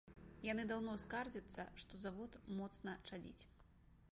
Яны даўно скардзяцца, што завод моцна чадзіць.